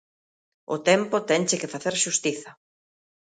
O tempo tenche que facer xustiza.